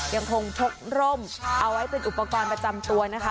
ยังคงพกร่มเอาไว้เป็นอุปกรณ์ประจำตัวนะคะ